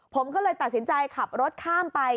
ผมก็เลยตัดสินใจขับรถข้ามไป